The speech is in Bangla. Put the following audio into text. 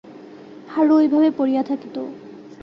হারু ওইভাবে পড়িয়া থাকিত।